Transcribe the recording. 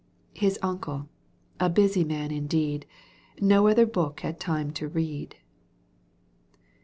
. His uncle, busy man indeed, N"o other book had time to read.